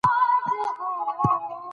مېلې د ملي یوالي ننداره ده.